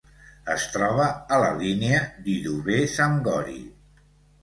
Es troba a la línia Didube-Samgori.